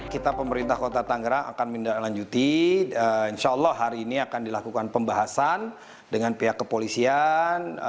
kita pemerintah kota tangerang akan mendalalanjuti insya allah hari ini akan dilakukan pembahasan dengan pihak kepolisian